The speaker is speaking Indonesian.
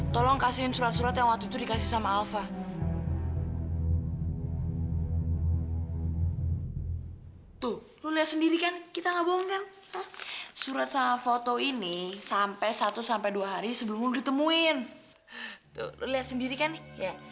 topan tuh temen gue sama terry